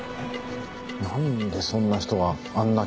なんでそんな人があんな